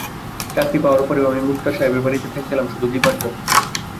চাকরি পাওয়ার পরেও আমি মোক্তার সাহেবের বাড়িতে থেকে গেলাম শুধু দিপার জন্য।